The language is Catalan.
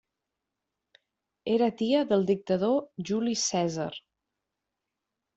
Era tia del dictador Juli Cèsar.